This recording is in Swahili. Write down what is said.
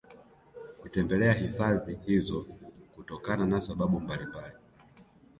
kutembelea hifadhi hizo kutokana na sababu mbalimbali